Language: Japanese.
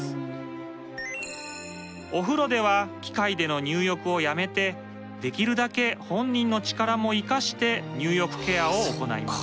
お風呂では機械での入浴をやめてできるだけ本人の力も生かして入浴ケアを行います。